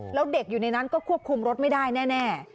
แล้วเด็กอยู่ในนั้นก็ควบคุมรถไม่ได้แน่